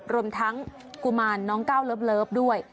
รวมทั้งกุมารน้องก้าวเลิฟด้วย